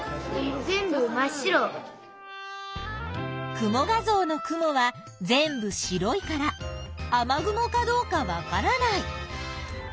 雲画像の雲は全部白いから雨雲かどうかわからない。